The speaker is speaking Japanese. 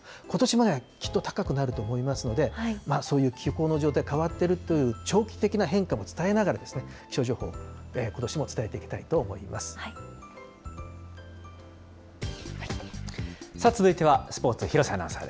ことしもきっと高くなると思いますので、そういう気候の状態、変わっているという長期的な変化も伝えながら、気象情報、ことしも続いてはスポーツ、廣瀬アナ